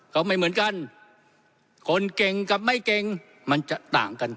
ก็ไม่เหมือนกันคนเก่งกับไม่เก่งมันจะต่างกัน